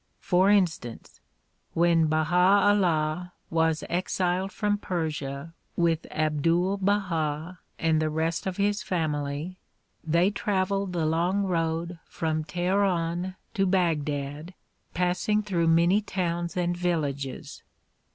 For instance, when Baha 'Ullah was exiled from Persia with Abdul Baha and the rest of his family, they traveled the long road from Teheran to Baghdad, passing through many towns and villages.